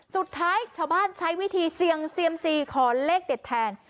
สุดท้ายชาวบ้านใช้วิธีเสี่ยงเซียมซีขอเลขเด็ดแทน